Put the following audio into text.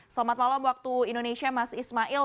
selamat malam waktu indonesia mas ismail